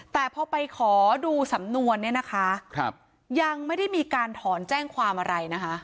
แต่พอไปขอดูสำนวนเนี่ยนะคะยังไม่ได้มีการถอนแจ้งความอะไรนะคะ